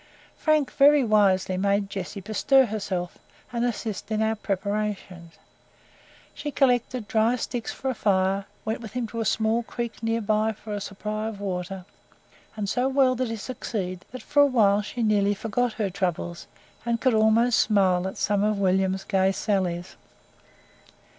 Frank very wisely made Jessie bestir herself, and assist in our preparations. She collected dry sticks for a fire, went with him to a small creek near for a supply of water; and so well did he succeed, that for a while she nearly forgot her troubles, and could almost smile at some of William's gay sallies.